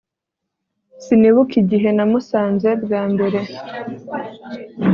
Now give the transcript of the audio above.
Sinibuka igihe namusanze bwa mbere